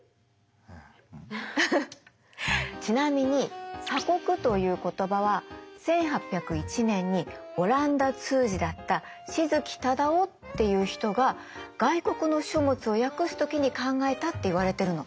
フフッちなみに「鎖国」という言葉は１８０１年にオランダ通事だった志筑忠雄っていう人が外国の書物を訳す時に考えたっていわれてるの。